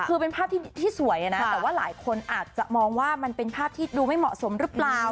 คือเป็นภาพที่สวยนะแต่ว่าหลายคนอาจจะมองว่ามันเป็นภาพที่ดูไม่เหมาะสมหรือเปล่า